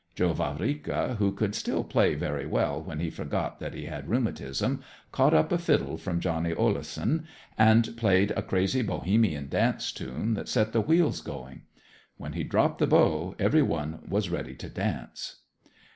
Joe Vavrika, who could still play very well when he forgot that he had rheumatism, caught up a fiddle from Johnny Oleson and played a crazy Bohemian dance tune that set the wheels going. When he dropped the bow every one was ready to dance.